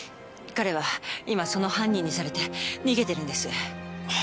彼は今その犯人にされて逃げてるんです。